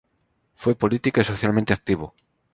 Fue política y socialmente activo.